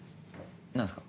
何すか？